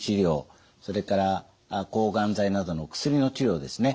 それから抗がん剤などの薬の治療ですね